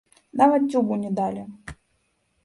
Нават дзюбу не далі.